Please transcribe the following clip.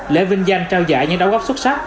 lễ vinh danh trao giải những đấu gốc xuất sắc